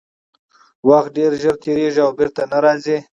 وخت ډېر ژر تېرېږي او بېرته نه راګرځي